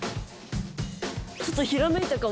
ちょっとひらめいたかも。